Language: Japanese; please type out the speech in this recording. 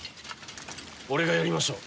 俺がやりましょう。